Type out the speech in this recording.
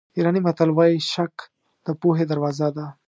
ایراني متل وایي شک د پوهې دروازه ده.